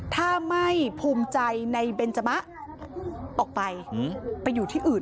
ถ้าไม่ภูมิใจในเบนจมะออกไปไปอยู่ที่อื่น